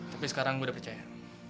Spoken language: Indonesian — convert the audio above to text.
tapi sekarang udah percaya